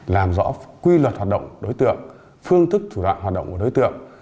làm rõ quy luật hoạt động đối tượng phương thức thủ đoạn hoạt động của đối tượng